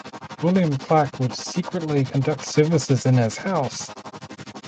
William Clark would secretly conduct services in his house.